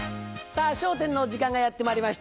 さぁ『笑点』の時間がやってまいりました。